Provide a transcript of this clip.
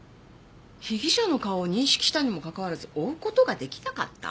被疑者の顔を認識したにもかかわらず追う事が出来なかった？